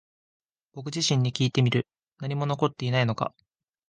僕自身にきいてみる。何も残っていないのか？